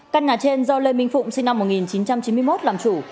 căn nhà trên do lê minh phụng sinh năm một nghìn chín trăm chín mươi một làm chủ